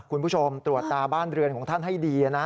คุณผู้ชมตรวจตาบ้านเรือนของท่านให้ดีนะ